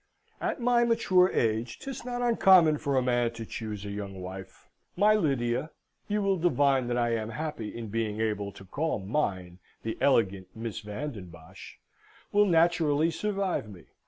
"At my mature age, 'tis not uncommon for a man to choose a young wife. My Lydia (you will divine that I am happy in being able to call mine the elegant Miss Van den Bosch) will naturally survive me.